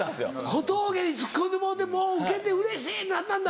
小峠にツッコんでもろうてもうウケてうれしい！ってなったんだ。